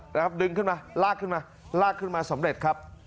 นะครับดึงขึ้นมาลากขึ้นมาลากขึ้นมาสำเร็จครับ